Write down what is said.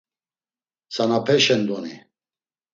Tzanapeşen doni.